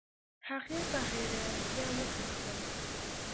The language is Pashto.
هغې په حیرانتیا وپوښتل